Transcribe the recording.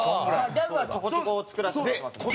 ギャグはちょこちょこ作らせてもらってますね。